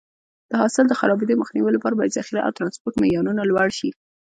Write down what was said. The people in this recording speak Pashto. د حاصل د خرابېدو مخنیوي لپاره باید ذخیره او ټرانسپورټ معیارونه لوړ شي.